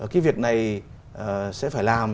cái việc này sẽ phải làm